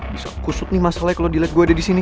bisa kusut nih masalahnya kalo diliat gue ada disini